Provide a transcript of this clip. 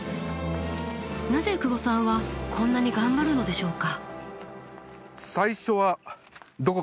なぜ久保さんはこんなに頑張るのでしょうか？